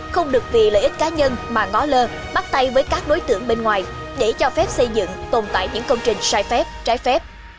không được vì lợi ích cá nhân mà ngó lơ bắt tay với các đối tượng bên ngoài để cho phép xây dựng tồn tại những công trình sai phép trái phép